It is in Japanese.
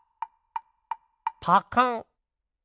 パカン！